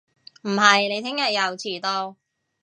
唔係你聽日又遲到